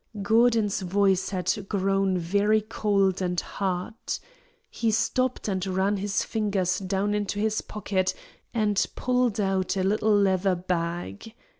Gordon's voice had grown very cold and hard. He stopped and ran his fingers down into his pocket and pulled out a little leather bag.